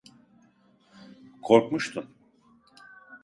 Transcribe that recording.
Korkmuştun.